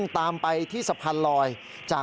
โทษทีโทษที